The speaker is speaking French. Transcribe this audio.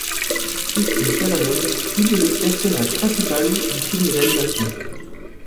Christine Cavanaugh double le personnage principal du film d'animation '.